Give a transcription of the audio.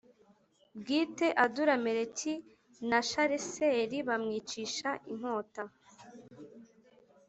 Bwite adurameleki na shareseri bamwicisha inkota